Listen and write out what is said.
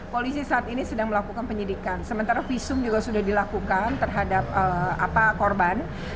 polisi saat ini sedang melakukan penyidikan sementara visum juga sudah dilakukan terhadap korban